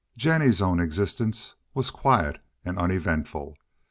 Jennie's own existence was quiet and uneventful.